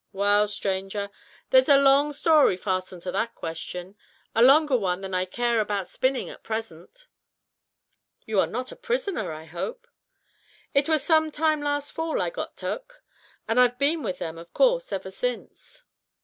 "Wal, stranger, there's a long story fastened to that question a longer one than I care about spinning at present." "You are not a prisoner, I hope." "It was some time last fall I got tuk, and I've been with them, of course, ever since."